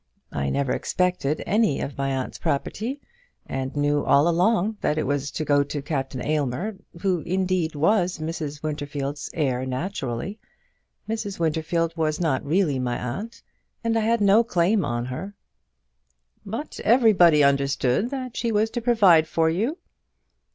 I never expected any of my aunt's property, and knew all along that it was to go to Captain Aylmer, who, indeed, was Mrs. Winterfield's heir naturally. Mrs. Winterfield was not really my aunt, and I had no claim on her." "But everybody understood that she was to provide for you."